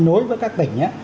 nối với các tỉnh